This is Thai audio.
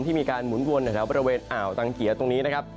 ที่มีการหมุนวนแถวบริเวณอ่าวตังเกียร์ตรงนี้นะครับ